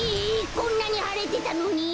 こんなにはれてたのに？